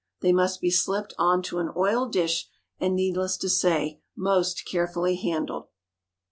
They must be slipped on to an oiled dish, and, needless to say, most carefully handled.